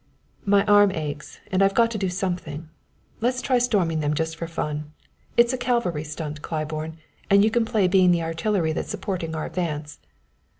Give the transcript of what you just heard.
"My arm aches and I've got to do something. Let's try storming them just for fun. It's a cavalry stunt, Claiborne, and you can play being the artillery that's supporting our advance.